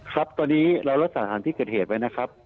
ครับตอนนี้เรารักษาอาหารที่เกิดเหตุไว้นะครับ